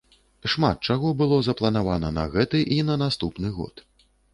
Шмат чаго было запланавана на гэты і на наступны год.